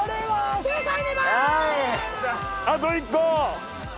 あと１個。